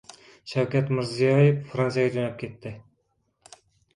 Shavkat Mirziyoyev Fransiyaga jo‘nab ketdi